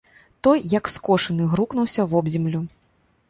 Той як скошаны грукнуўся вобземлю.